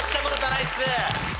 ナイス。